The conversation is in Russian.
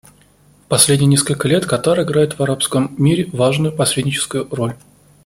В последние несколько лет Катар играет в арабском мире важную посредническую роль.